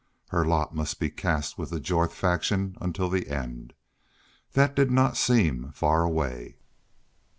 Her lot must be cast with the Jorth faction until the end. That did not seem far away.